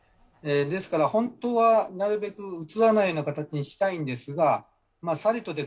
ですから、本当はなるべく映らないような形にしたいんですがさりとて